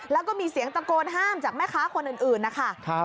แล้วก็มีเสียงตะโกนห้ามจากแม่ค้าคนอื่นนะคะ